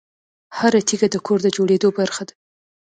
هره تیږه د کور د جوړېدو برخه ده.